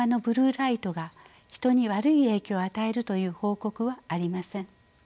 ライトが人に悪い影響を与えるという報告はありません。